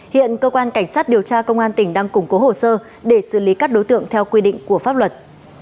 hiện cơ quan cảnh sát điều tra công an tỉnh đang củng cố hồ sơ để xử lý các đối tượng theo quy định của pháp luật